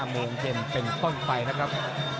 โมงเย็นเป็นต้นไปนะครับ